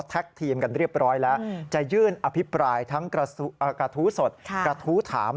ทีมกันเรียบร้อยแล้วจะยื่นอภิปรายทั้งกระทู้สดกระทู้ถาม